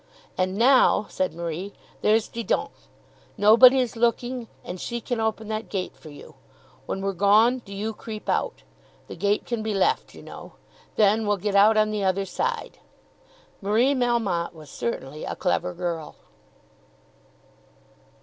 "And now," said Marie, "there's Didon. Nobody's looking and she can open that gate for you. When we're gone, do you creep out. The gate can be left, you know. Then we'll get out on the other side." Marie Melmotte was certainly a clever girl.